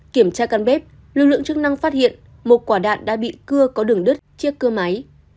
kiểm tra căn bếp lực lượng chức năng phát hiện một quả đạn đã bị cưa có đường đứt chiếc cơ máy